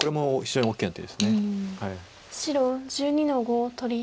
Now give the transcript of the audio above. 白１２の五取り。